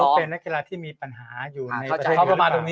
เขาก็เป็นนักกีฬาที่มีปัญหาอยู่ในประเทศอื่น